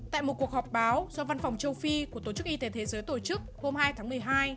tại một cuộc họp báo do văn phòng châu phi của tổ chức y tế thế giới tổ chức hôm hai tháng một mươi hai